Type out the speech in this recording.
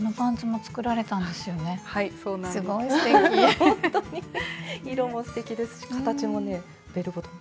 ほんとに色もすてきですし形もねベルボトム。